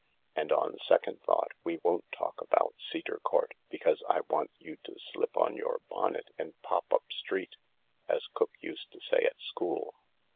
And on second thoughts we won't talk about Cedar Court, because I want you to slip on your bonnet and pop up street, as cook used to say at school.